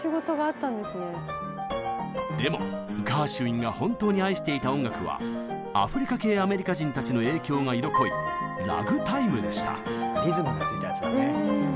でもガーシュウィンが本当に愛していた音楽はアフリカ系アメリカ人たちの影響が色濃いリズムがついたやつだね。